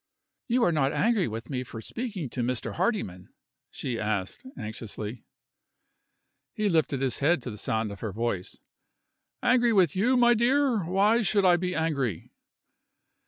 "You are not angry with me for speaking to Mr. Hardyman?" she asked, anxiously. He lifted his head it the sound of her voice. "Angry with you, my dear! why should I be angry?"